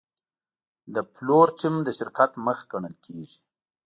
د پلور ټیم د شرکت مخ ګڼل کېږي.